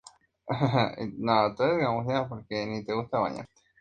Habituales son los colores rojos, blancos y negros.